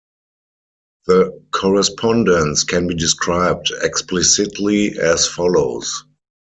The correspondence can be described explicitly as follows.